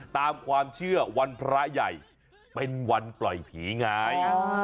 ตามความเชื่อวันพระใหญ่เป็นวันปล่อยผีไง